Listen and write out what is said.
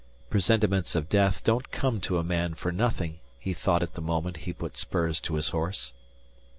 _ Presentiments of death don't come to a man for nothing he thought at the moment he put spurs to his horse.